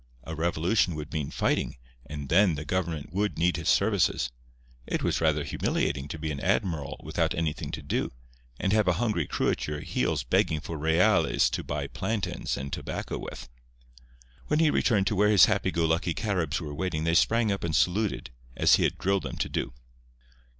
A revolution would mean fighting, and then the government would need his services. It was rather humiliating to be an admiral without anything to do, and have a hungry crew at your heels begging for reales to buy plantains and tobacco with. When he returned to where his happy go lucky Caribs were waiting they sprang up and saluted, as he had drilled them to do.